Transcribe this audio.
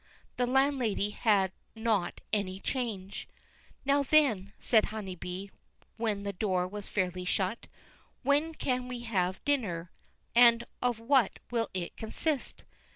The landlady had not any change. "Now then," said Honeybee, when the door was fairly shut, "when can we have dinner, and of what will it consist?"